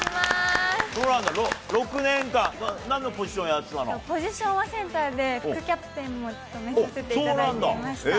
６年間、なんのポジションやポジションはセンターで、副キャプテンも務めさせていただいていました。